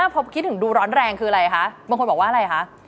พอคิดถึงดูร้อนแรงคืออะไรคะบางคนบอกว่าอะไรคะ